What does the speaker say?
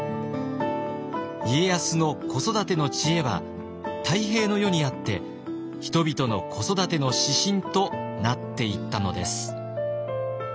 家康の子育ての知恵は太平の世にあって人々の子育ての指針となっていったのです。